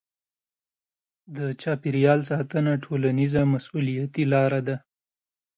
د چاپیریال ساتنه ټولنیزه مسوولیتي لاره ده.